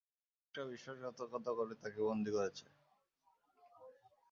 মুশরিকরা বিশ্বাসঘাতকতা করে তাঁকে বন্দী করেছে।